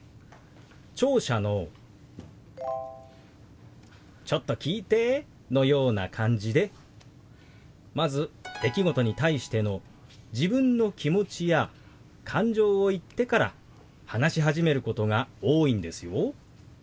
聴者の「ちょっと聞いて」のような感じでまず出来事に対しての自分の気持ちや感情を言ってから話し始めることが多いんですよ。